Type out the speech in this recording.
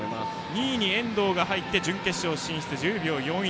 ２位に遠藤が入って準決勝進出、１０秒４１。